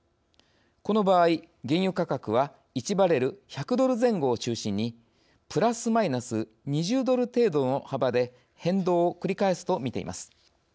この場合、原油価格は１バレル１００ドル前後を中心にプラスマイナス２０ドル程度の幅で変動を繰り返すと見ています。